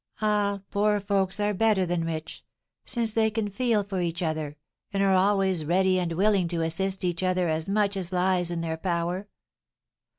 "Ah, poor folks are better than rich, since they can feel for each other, and are always ready and willing to assist each other as much as lies in their power.